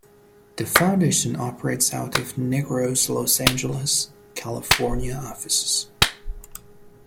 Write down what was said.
The foundation operates out of Nigro's Los Angeles, California offices.